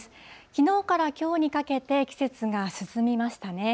きのうからきょうにかけて、季節が進みましたね。